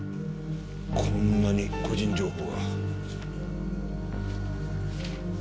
こんなに個人情報が。